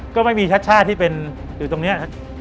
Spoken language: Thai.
ก็ไม่มีชาติชาติที่เป็นอยู่ตรงนี้